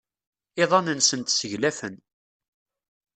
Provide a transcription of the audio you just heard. Iḍan-nsent sseglafen.